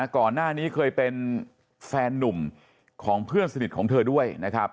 ก่อนหน้านี้เคยเป็นแฟนนุ่มของเพื่อนสนิทของเธอด้วยนะครับ